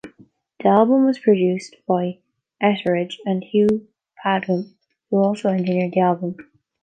The album was produced by Etheridge and Hugh Padgham, who also engineered the album.